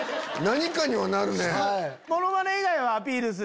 何かにはなるね。